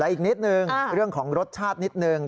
อีกนิดนึงเรื่องของรสชาตินิดนึง